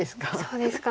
そうですか。